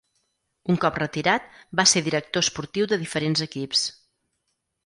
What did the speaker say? Un cop retirat, va ser director esportiu de diferents equips.